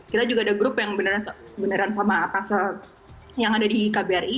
kita juga ada grup yang beneran sama atas yang ada di kbri